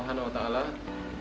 hadirat allah swt